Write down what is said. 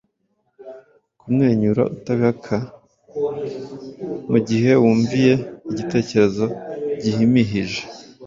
kumwenyura utabihaka mugihe wunvie igitekerezo gihimihije